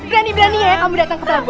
berani berani ya kamu datang kepadaku